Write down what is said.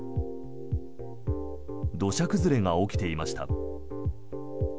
土砂崩れが起きていました。